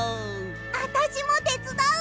あたしもてつだう！